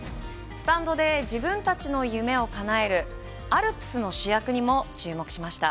スタンドで自分たちの夢をかなえるアルプスの主役にも注目しました。